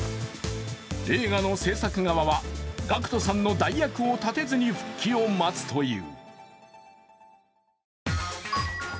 映画の製作側はＧＡＣＫＴさんの代役を立てずに復帰を待つという。